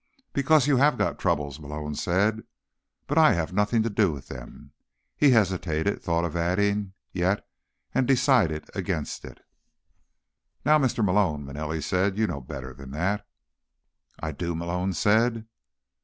"Because you have got troubles," Malone said. "But I have nothing to do with them." He hesitated, thought of adding: "Yet," and decided against it. "Now, Mr. Malone," Manelli said. "You know better than that." "I do?" Malone said.